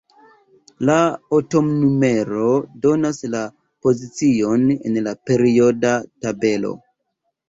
La atomnumero donas la pozicion en la perioda tabelo.